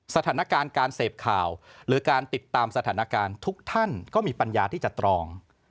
สถานการณ์การเสพข่าวหรือการติดตามสถานการณ์ทุกท่านก็มีปัญญาที่จะตรอง